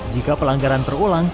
jika pelanggaran terulang